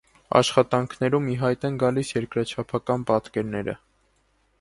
Աշխատանքներում ի հայտ են գալիս երկրաչափական պատկերները։